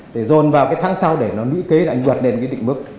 để dồn vào cái tháng sau để nó nữ kế là anh vượt lên cái định mức